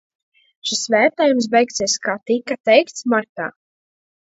Šis vērtējums beigsies, kā tika teikts, martā.